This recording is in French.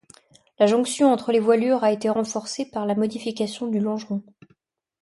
La jonction entre les voilures a été renforcé par la modification du longeron.